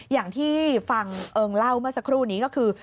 อย่างที่ฟังเอิงเล่าเมื่อสักครู่นี้ก็คือ